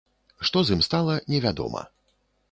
Што з ім стала, невядома.